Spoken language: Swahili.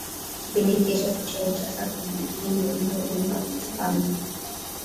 Kipindi kirefu cha utasa kwa majike ni dalili ya ugonjwa wa kutupa mimba